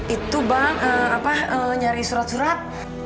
itu bang nyari surat surat